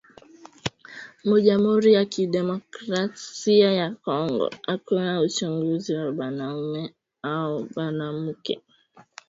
mu jamuri ya ki democracia ya congo akuna uchaguzi ya banaume ao banamuke